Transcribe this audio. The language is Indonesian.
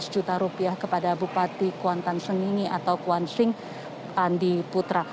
lima ratus juta rupiah kepada bupati kuantan sengingi atau kuant sing andi putra